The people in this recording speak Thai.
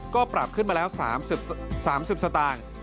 ก็ปรับขึ้นมาแล้ว๓๐สตางค์